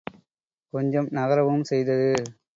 கொஞ்சம் நகரவும் செய்தது.